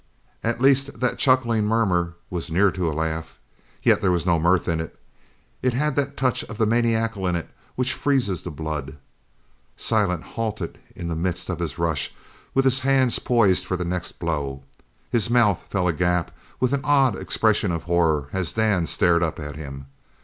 At least that chuckling murmur was near to a laugh. Yet there was no mirth in it. It had that touch of the maniacal in it which freezes the blood. Silent halted in the midst of his rush, with his hands poised for the next blow. His mouth fell agape with an odd expression of horror as Dan stared up at him.